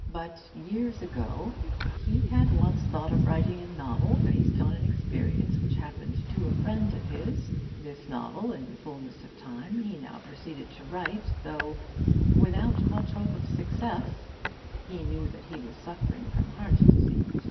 ') But, years ago, 'he had once thought of writing a novel based on an experience which happened to a friend of his.' This novel, in the fullness of time, he now proceeded to write, though 'without much hope of success.' He knew that he was suffering from heart disease.